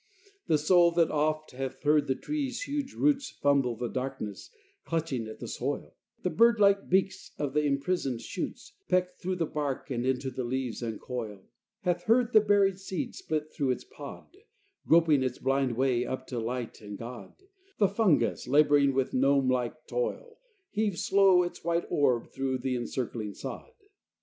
The soul, that oft hath heard the trees' huge roots Fumble the darkness, clutching at the soil; The bird like beaks of the imprisoned shoots Peck through the bark and into leaves uncoil; Hath heard the buried seed split through its pod, Groping its blind way up to light and God; The fungus, laboring with gnome like toil, Heave slow its white orb through the encircling sod.